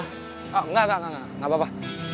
oh enggak enggak enggak gapapa